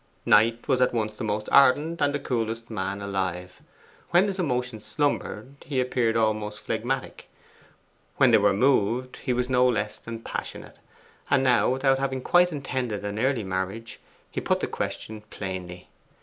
Knight was at once the most ardent and the coolest man alive. When his emotions slumbered he appeared almost phlegmatic; when they were moved he was no less than passionate. And now, without having quite intended an early marriage, he put the question plainly.